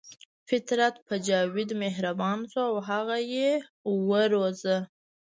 فطرت په جاوید مهربان شو او هغه یې وروزه